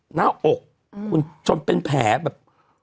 หน้าอกคุณจนเป็นแผลแบบ